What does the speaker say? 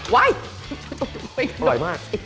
วัย